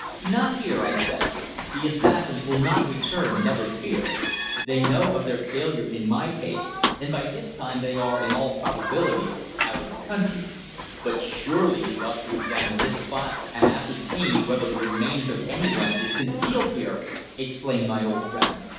"Not here," I said. "The assassins will not return, never fear. They know of their failure in my case, and by this time they are, in all probability, out of the country." "But surely we ought to examine this spot and ascertain whether the remains of any one is concealed here!" exclaimed my old friend.